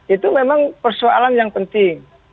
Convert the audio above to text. itu memang persoalan yang penting